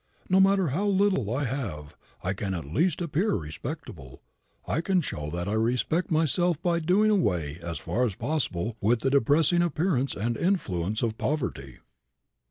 No matter how little I have, I can at least appear respectable. I can show that I respect myself by doing away as far as possible with the depressing appearance and influence of poverty."